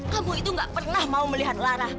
kamu itu gak pernah mau melihat lara